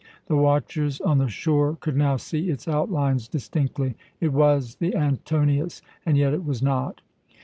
The watchers on the shore could now see its outlines distinctly. It was the Antonius, and yet it was not.